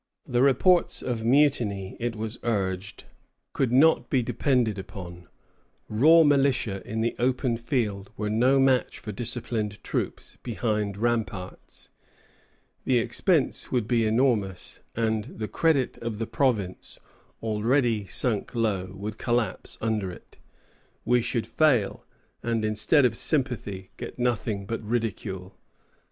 ] The reports of mutiny, it was urged, could not be depended on; raw militia in the open field were no match for disciplined troops behind ramparts; the expense would be enormous, and the credit of the province, already sunk low, would collapse under it; we should fail, and instead of sympathy, get nothing but ridicule.